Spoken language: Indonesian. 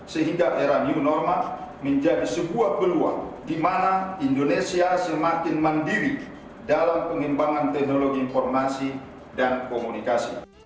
sehingga era new normal menjadi sebuah peluang di mana indonesia semakin mandiri dalam pengimbangan teknologi informasi dan komunikasi